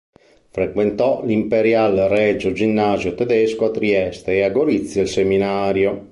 Frequentò l'imperial-regio ginnasio tedesco a Trieste e, a Gorizia, il Seminario.